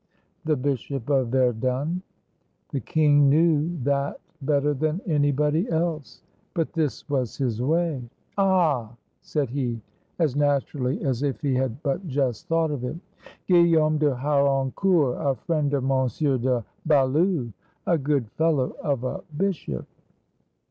" The Bishop of Verdun." The king knew that better than anybody else, but this was his way. "Ah!" said he, as naturally as if he had but just thought of it; " Guillaume de Harancourt, a friend of Monsieur de Balue. A good fellow of a bishop!"